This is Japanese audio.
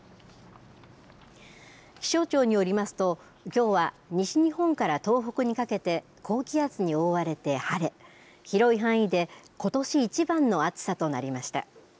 気象庁によりますときょうは西日本から東北にかけて高気圧に覆われて晴れ広い範囲でことし一番の暑さとなりました。